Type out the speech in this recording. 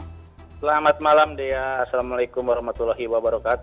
selamat malam assalamualaikum wr wb